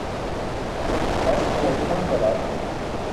Hastuwar kʰon balando.